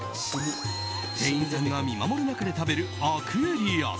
店員さんが見守る中で食べるアクエリアス。